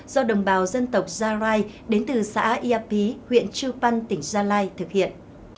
do đồng bào dân tộc gia rai đến từ xã iapí huyện chư pan tỉnh gia lai thực hiện